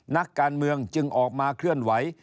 นักการเมืองจึงออกมาเคลื่อนไหว